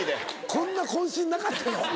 こんな渾身なかったよ。